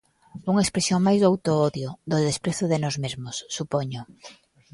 Unha expresión máis do autoodio, do desprezo de nós mesmos, supoño.